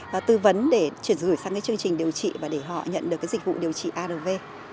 và tư vấn để chuyển gửi sang cái chương trình điều trị và để họ nhận được cái dịch vụ điều trị arv